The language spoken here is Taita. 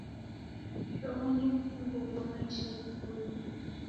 Kishomo ni mfunguo ghwa maisha ghiboie